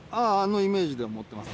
・のイメージで思ってます